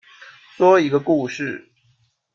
说一个故事